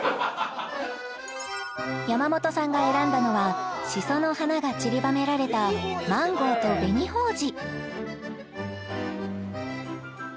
山本さんが選んだのはしその花がちりばめられたマンゴーと紅ほうじ